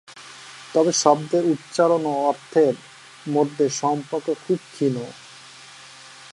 তবে শব্দের উচ্চারণ ও অর্থের মধ্যে সম্পর্ক খুব ক্ষীণ।